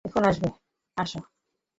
এখানে আসো!